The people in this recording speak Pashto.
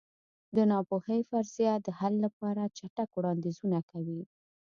د ناپوهۍ فرضیه د حل لپاره چټک وړاندیزونه کوي.